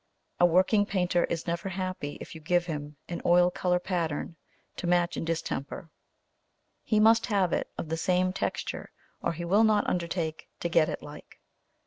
A working painter is never happy if you give him an oil colour pattern to match in distemper; he must have it of the same texture, or he will not undertake to get it like.